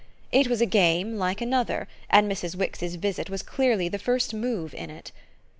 It was a game like another, and Mrs. Wix's visit was clearly the first move in it.